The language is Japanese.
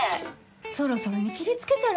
そろそろ見切りつけたら？